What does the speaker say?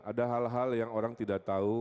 ada hal hal yang orang tidak tahu